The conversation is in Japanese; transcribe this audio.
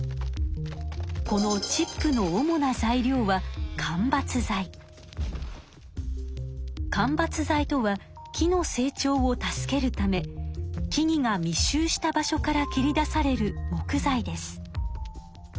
このチップの主な材料は間伐材とは木の成長を助けるため木々がみっ集した場所から切り出される木材です。